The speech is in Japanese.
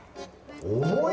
重い。